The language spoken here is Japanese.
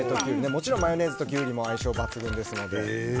もちろんマヨネーズとキュウリも相性抜群ですので。